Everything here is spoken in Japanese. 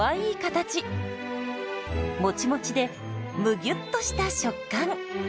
もちもちでむぎゅっとした食感。